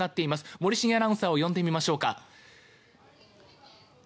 森重アナウンサーを呼んでみましょうか。